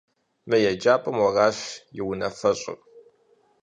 Мы еджапӀэм уэращ и унафэщӀыр.